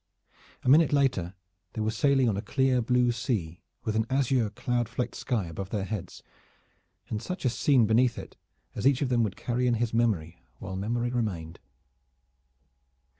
A minute later they were sailing on a clear blue sea with an azure cloud flecked sky above their heads, and such a scene beneath it as each of them would carry in his memory while memory remained.